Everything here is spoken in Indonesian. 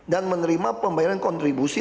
dan menerima pembayaran kontribusi